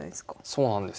そうなんですよ。